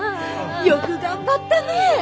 よく頑張ったね！